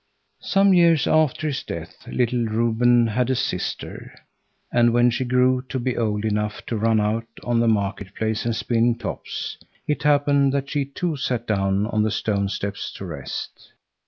Some years after his death little Reuben had a sister, and when she grew to be old enough to run out on the market place and spin tops, it happened that she too sat down on the stone steps to rest.